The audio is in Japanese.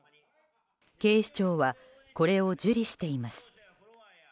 警視庁はこれを受理しています。